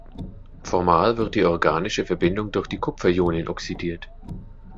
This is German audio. Formal wird die organische Verbindung durch die Kupferionen oxidiert.